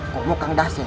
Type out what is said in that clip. kak badru dan kak aset